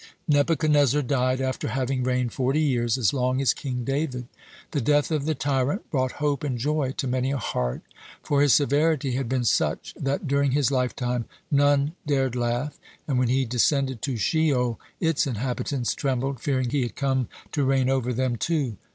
(113) Nebuchadnezzar died after having reigned forty years, as long as King David. (114) The death of the tyrant brought hope and joy to many a heart, for his severity had been such that during his lifetime none dared laugh, and when he descended to Sheol, its inhabitants trembled, fearing he had come to reign over them, too.